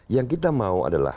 yang kita mau adalah